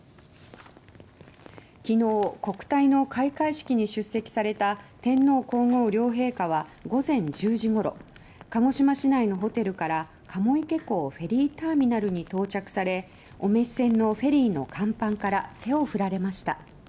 昨日、国体の開会式に出席された天皇・皇后両陛下は午前１０時ごろ鹿児島市内のホテルから鴨池港フェリーターミナルに到着されお召船のフェリーの甲板から手を振られました。